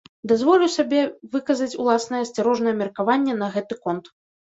Дазволю сабе выказаць уласнае асцярожнае меркаванне на гэты конт.